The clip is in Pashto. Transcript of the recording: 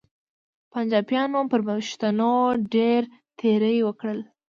پنچاپیانو پر پښتنو ډېر تېري وکړل.